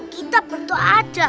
kita bertuah aja